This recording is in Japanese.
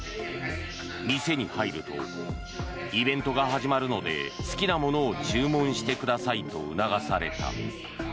店に入るとイベントが始まるので好きなものを注文してくださいと促された。